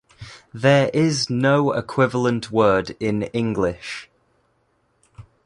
There is no equivalent word in English.